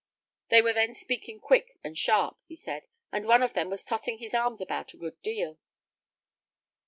"They were then speaking quick and sharp," he said, "and one of them was tossing his arms about a good deal."